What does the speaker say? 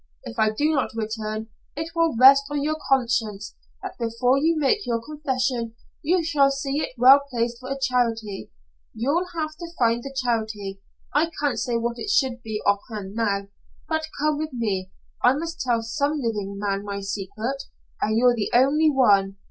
If I do not return, it will rest on your conscience that before you make your confession, you shall see it well placed for a charity. You'll have to find the charity, I can't say what it should be offhand now, but come with me. I must tell some man living my secret, and you're the only one.